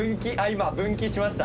今分岐しましたね。